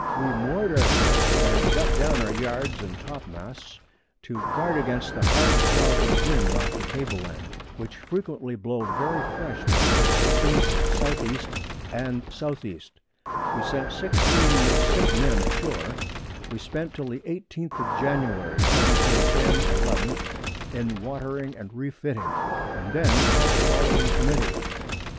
We moor'd our Ship, and got down our Yards and Topmasts to guard against the hard Flaws of Wind off the Table Land, which frequently blow very fresh betwixt E. S. E. and S. E. We sent 16 sick Men a shoar. We spent till the 18th of January, 1710 11. in watering and re fiting, and then held the following Committee.